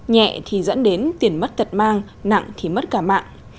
nhẹ thì dẫn đến tiền mất tật mang nặng thì mất cả mạng